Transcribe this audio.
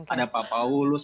ada pak paulus